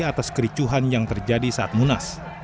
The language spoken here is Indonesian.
atas kericuhan yang terjadi saat munas